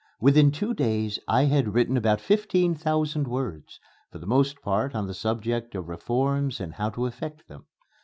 Within two days I had written about fifteen thousand words for the most part on the subject of reforms and how to effect them.